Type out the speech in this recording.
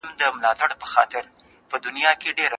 د لويي جرګې د باصلاحیته غړو د انتخاب اصلي معیار څه دی؟